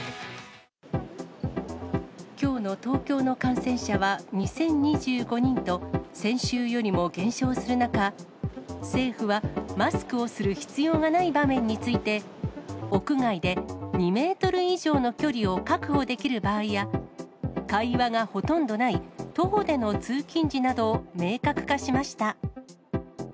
きょうの東京の感染者は２０２５人と、先週よりも減少する中、政府はマスクをする必要がない場面について、屋外で２メートル以上の距離を確保できる場合や、会話がほとんどない徒歩での通勤時などを明確化しました。